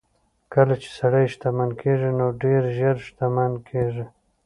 کله چې سړی شتمن کېږي نو ډېر ژر شتمن کېږي.